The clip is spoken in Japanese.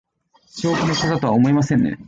正気の沙汰とは思えませんね